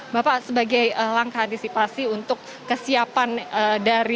bapak sebagai langkah antisipasi untuk kesiapan dari